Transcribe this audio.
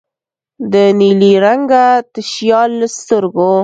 د نیلي رنګه تشیال له سترګو